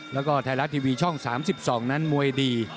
แล้วก็ไทยรัฐทีวีช่อง๓๒นั้นมวยดี